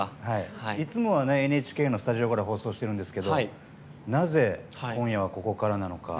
いつもはＮＨＫのスタジオから放送しているんですけどなぜ、今夜はここからなのか